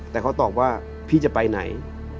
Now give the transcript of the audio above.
แต่เขาตอบว่าพี่จะไปไหน